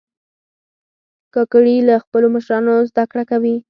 کاکړي له خپلو مشرانو زده کړه کوي.